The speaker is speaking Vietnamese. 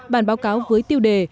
bản báo cáo với tiêu đề